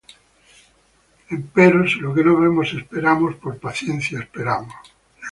Empero si lo que no vemos esperamos, por paciencia esperamos.